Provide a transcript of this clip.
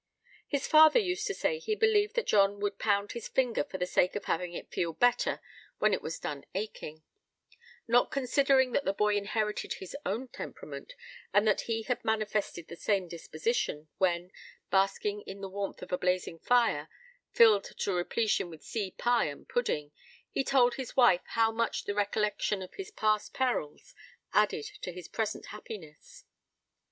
His father used to say he believed that John would pound his finger for the sake of having it feel better when it was done aching; not considering that the boy inherited his own temperament, and that he had manifested the same disposition, when, basking in the warmth of a blazing fire, filled to repletion with sea pie and pudding, he told his wife how much the recollection of his past perils added to his present happiness.